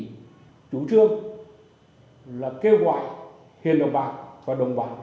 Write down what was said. đặc biệt là hành vi phạm tội của hiền đầu bạc nếu để tồn tại sẽ làm bầm bống của hoạt động thổ phỉ